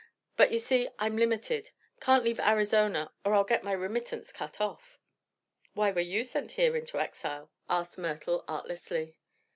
But you see I'm limited. Can't leave Arizona or I'll get my remittance cut off." "Why were you sent here into exile?" asked Myrtle artlessly.